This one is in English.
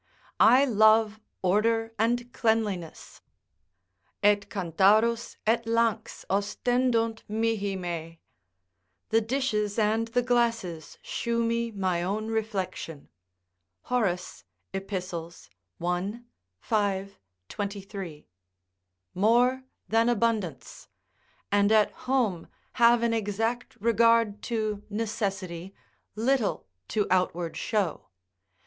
I love order and cleanliness "Et cantharus et lanx Ostendunt mihi me" ["The dishes and the glasses shew me my own reflection." Horace, Ep., i. 5, 23] more than abundance; and at home have an exact regard to necessity, little to outward show.